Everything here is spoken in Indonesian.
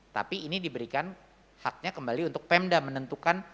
tapi ini diberikan haknya kembali untuk pemda menentukan